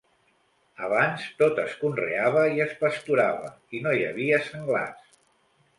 Abans tot es conreava i es pasturava, i no hi havia senglars.